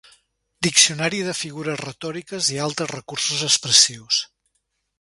Diccionari de figures retòriques i altres recursos expressius.